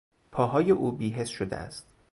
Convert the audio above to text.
پاهای او بیحس شده است.